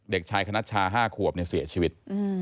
เด็กชายคณัชชา๕ขวบเสียชีวิต